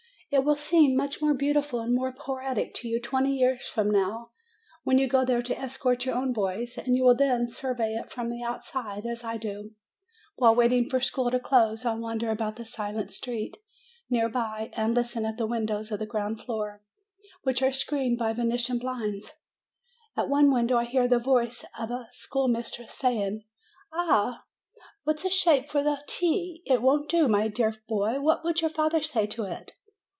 It will seem much more beautiful and more poetic to you twenty years from now, when you go there to escort your own boys ; and you will then survey it from the outside, as I do. While waiting for school to close, I wander about the silent street, near by, and 298 MAY listen at the windows of the ground floor, which are screened by Venetian blinds. At one window I hear the voice of a school mistress saying: "Ah, what a shape for a t\ It won't do, my dear boy ! What would your father say to it?"